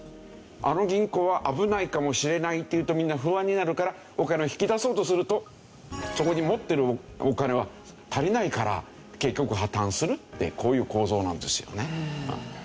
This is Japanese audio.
あの銀行は危ないかもしれないっていうとみんな不安になるからお金を引き出そうとするとそこに持ってるお金は足りないから結局破たんするってこういう構造なんですよね。